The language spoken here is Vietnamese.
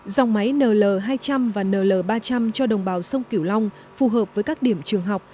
dòng máy nl hai trăm linh và nl ba trăm linh cho đồng bào sông kiểu long phù hợp với các điểm trường học